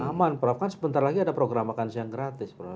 aman prof kan sebentar lagi ada program makan siang gratis prof